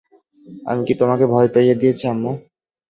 আমি কি তোমাকে ভয় পাইয়ে দিয়েছি, আম্মু?